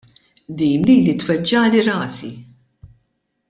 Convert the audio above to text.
Din lili tweġġagħli rasi.